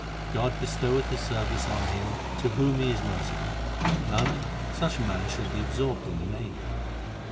God bestoweth His service on him to whom He is merci ful ; Nanak, such a man shall be absorbed in the Name.